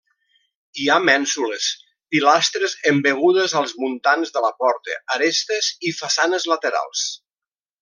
Hi ha mènsules, pilastres embegudes als muntants de la porta, arestes i façanes laterals.